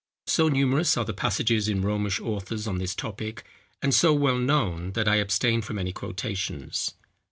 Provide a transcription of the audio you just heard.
So numerous are the passages in Romish authors on this topic, and so well known, that I abstain from any quotations.